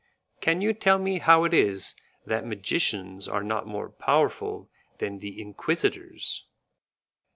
Can you tell me how it is that magicians are not more powerful than the Inquisitors?"